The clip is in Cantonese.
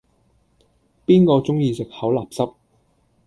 邊個鐘意食口立濕